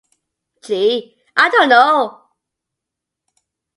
Gee, I don't know.